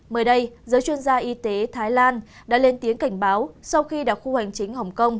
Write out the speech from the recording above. mới đây giới chuyên gia y tế thái lan đã lên tiếng cảnh báo sau khi đặc khu hành chính hồng kông